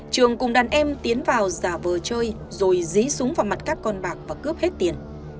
trường cùng đàn em tiến vào giả vờ chơi rồi dí súng vào mặt các con bạc và cướp hết tiền